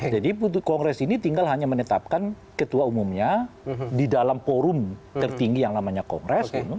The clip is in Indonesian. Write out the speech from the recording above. jadi kongres ini tinggal hanya menetapkan ketua umumnya di dalam forum tertinggi yang namanya kongres